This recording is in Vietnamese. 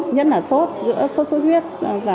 nhất là sốt sốt chút huyết